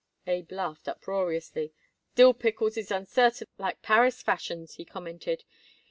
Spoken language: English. Abe laughed uproariously. "Dill pickles is uncertain like Paris fashions," he commented.